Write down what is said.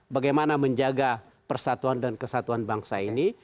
bagaimana menjaga persatuan dan kesatuan bangsa ini